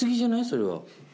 それは。